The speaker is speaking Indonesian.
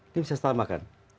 ini bisa ditamakan